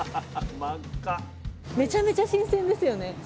めちゃめちゃ新鮮ですよね。